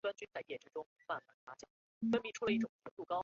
贝滕豪森是德国图林根州的一个市镇。